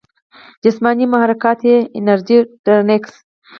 جسماني محرکات ئې انرجي ډرنکس ،